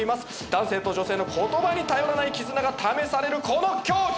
男性と女性の言葉に頼らない絆が試されるこの競技。